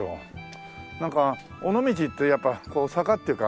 なんか尾道ってやっぱ坂っていうか